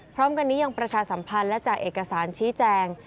พร้อมกันนี้ยังประชาสัมพันธ์และจ่ายเอกสารชี้แจง